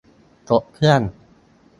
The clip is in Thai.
ตกเครื่อง